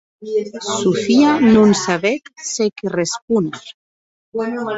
Sofia non sabec se qué respóner.